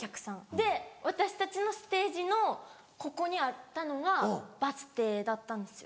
で私たちのステージのここにあったのがバス停だったんですよ。